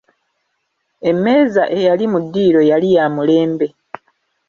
Emmeeza eyali mu ddiiro yali ya mulembe!